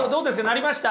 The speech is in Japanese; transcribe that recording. なりました？